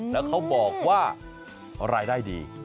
แล้วเขาบอกว่ารายได้ดี